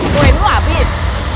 tuhin lu abis